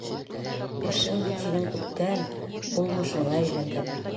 Эшең бит һинең күптән булмышыңа әйләнгән.